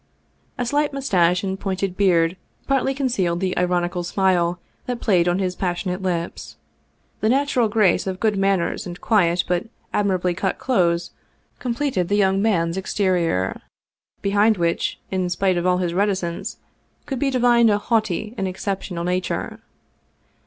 A slight mustache and pointed beard partly concealed the ironical smile that played on his passionate lips. The natural grace of good manners and quiet but admirably cut clothes com pleted the young man's exterior, behind which, in spite of all his reticence, could be divined a haughty and excep tional nature.